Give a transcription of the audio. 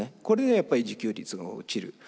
これでやっぱり自給率が落ちる。